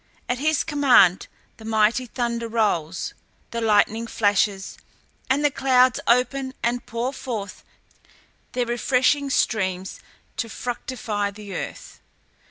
At his command the mighty thunder rolls, the lightning flashes, and the clouds open and pour forth their refreshing streams to fructify the earth.